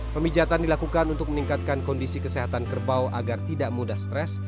pemijatan dilakukan untuk meningkatkan kondisi kesehatan kerbau agar tidak mudah stres